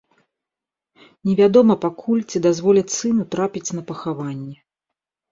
Невядома пакуль, ці дазволяць сыну трапіць на пахаванне.